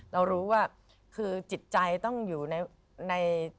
เรารู้ว่าคือจิตใจต้องอยู่ใน